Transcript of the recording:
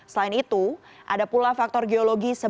selain itu ada pula faktor geologi